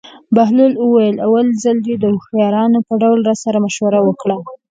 بهلول وویل: اول ځل دې د هوښیارانو په ډول راسره مشوره وکړه.